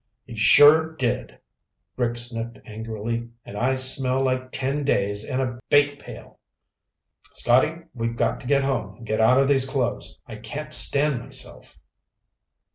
"He sure did." Rick sniffed angrily. "And I smell like ten days in a bait pail. Scotty, we've got to get home and get out of these clothes. I can't stand myself."